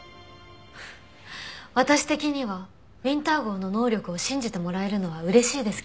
私的にはウィンター号の能力を信じてもらえるのは嬉しいですけど。